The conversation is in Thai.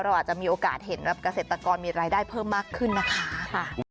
อาจจะมีโอกาสเห็นเกษตรกรมีรายได้เพิ่มมากขึ้นนะคะ